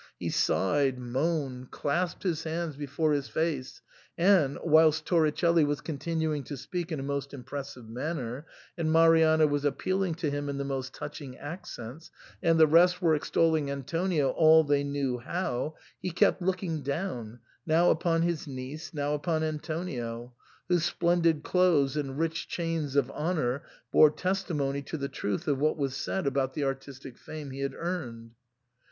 He sighed, moaned, clasped his hands before his face, and, whilst Toricelli was continuing to speak in a most impressive manner, and Marianna was appealing to him in the most touch ing accents, and the rest were extolling Antonio all they knew how, he kept looking down — now upon his niece, now upon Antonio, whose splendid clothes and rich chains of honour bore testimony to the truth of what was said about the artistic fame he had earned.